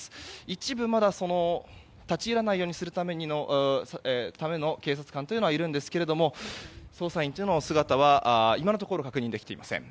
一部、立ち入らないようにするための警察官というのはいるんですが捜査員の姿は今のところ確認できていません。